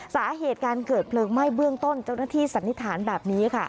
สาเหตุการเกิดเพลิงไหม้เบื้องต้นเจ้าหน้าที่สันนิษฐานแบบนี้ค่ะ